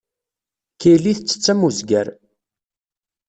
Kelly tettett am wezger.